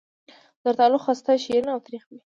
د زردالو خسته شیرین او تریخ وي.